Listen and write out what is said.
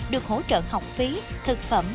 được hỗ trợ học phí thực phẩm